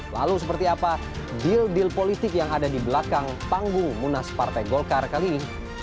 lalu seperti apa deal deal politik yang ada di belakang panggung munas partai golkar kali ini